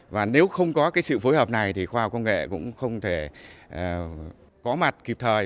và nếu không có cái sự phối hợp này thì khoa học công nghệ cũng không thể có mặt kịp thời